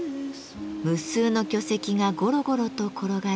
無数の巨石がゴロゴロと転がる